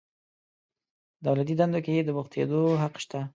په دولتي دندو کې د بوختیدو حق شته.